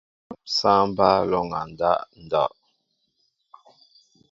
Awem sááŋ mbaa lóŋgá ndáw ndow.